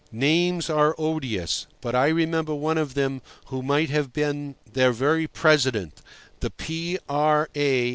Names are odious, but I remember one of them who might have been their very president, the P.R.A.